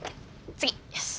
次よし。